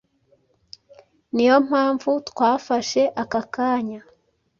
Niyo mpamvu twafashe aka kanya